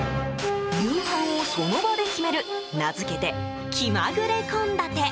夕飯をその場で決める名付けて、気まぐれ献立。